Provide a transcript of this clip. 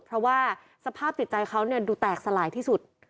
เพราะว่าสภาพจิตใจเขาดูแตกสลายที่สุด